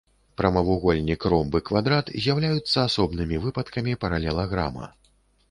Прамавугольнік, ромб і квадрат з'яўляюцца асобнымі выпадкамі паралелаграма.